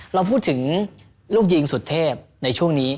เราพูดถึงลูกยิงสุดเทพในช่วงนี้